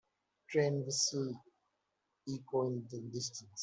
Train whistles echo in the distance.